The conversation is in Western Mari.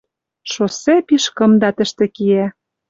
Шоссе пиш кымда тӹштӹ киӓ